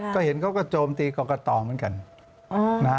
ก็เห็นเขาก็โจมตีกรกตเหมือนกัน